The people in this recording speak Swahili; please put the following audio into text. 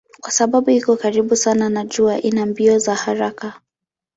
Kwa sababu iko karibu sana na jua ina mbio za haraka.